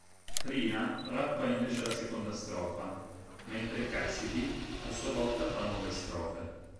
Trina rappa invece la seconda strofa, mentre Cassidy a sua volta fa nuove strofe.